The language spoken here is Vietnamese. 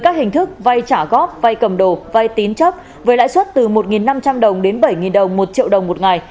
các hình thức vai trả góp vai cầm đồ vai tín chấp với lãi suất từ một năm trăm linh đồng đến bảy đồng một triệu đồng một ngày